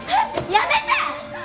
やめて！